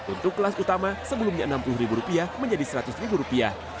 untuk kelas utama sebelumnya rp enam puluh menjadi rp seratus